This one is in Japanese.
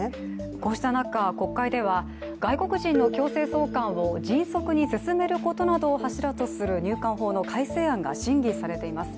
こうした中、国会では外国人の強制送還を迅速に進めることなどを柱とする入管法の改正案が審議されています。